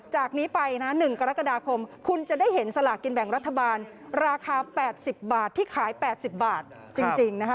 จากนี้ไปนะ๑กรกฎาคมคุณจะได้เห็นสลากกินแบ่งรัฐบาลราคา๘๐บาทที่ขาย๘๐บาทจริงนะคะ